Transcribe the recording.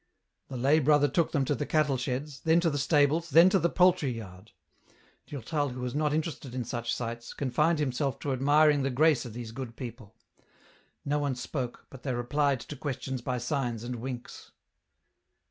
The lay brother took them to the cattle sheds, then to the stables, then to the poultry yard ; Durtal, who was not interested in such sights, confined himself to admiring the grace of these good people. No one spoke, but they replied to questions by signs and winks.